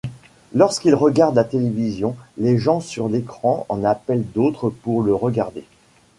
Lorsqu'il regarde la télévision, les gens sur l'écran en appellent d'autres pour le regarder.